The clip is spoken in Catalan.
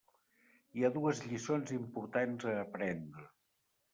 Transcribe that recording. Hi ha dues lliçons importants a aprendre.